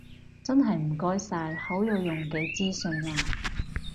真係唔該晒，好有用嘅資訊啊